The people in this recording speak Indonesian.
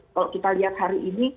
kalau kita lihat hari ini